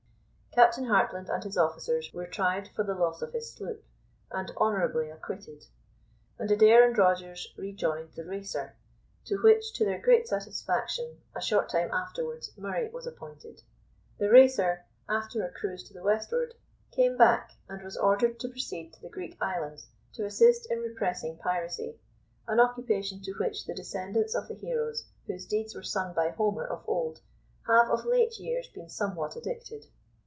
Captain Hartland and his officers were tried for the loss of his sloop, and honourably acquitted; and Adair and Rogers rejoined the Racer, to which, to their great satisfaction, a short time afterwards Murray was appointed. The Racer, after a cruise to the westward, came back, and was ordered to proceed to the Greek Islands to assist in repressing piracy, an occupation to which the descendants of the heroes whose deeds were sung by Homer of old have of late years been somewhat addicted.